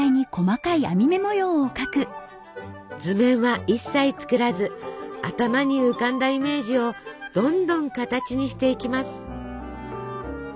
図面は一切作らず頭に浮かんだイメージをどんどん形にしていきます。